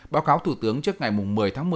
báo cáo thủ tướng trước ngày một mươi tháng một mươi